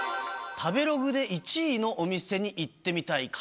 食べログで１位のお店に行ってみたい！